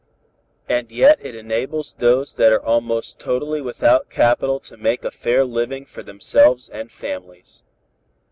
And yet it enables those that are almost totally without capital to make a fair living for themselves and families.